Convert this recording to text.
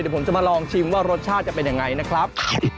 เดี๋ยวผมจะมาลองชิมว่ารสชาติจะเป็นยังไงนะครับ